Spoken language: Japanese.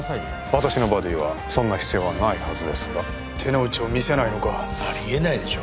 私のバディはそんな必要はないはずですが手の内を見せないのかありえないでしょ